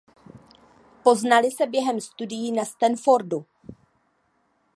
Poznali se během studií na Stanfordu.